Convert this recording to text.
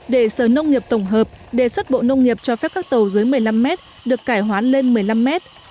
để sở nông nghiệp tổng hợp đề xuất bộ nông nghiệp cho phép các tàu dưới một mươi năm mét được cải hoán lên một mươi năm mét